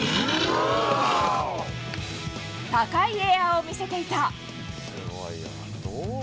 高いエアを見せていた。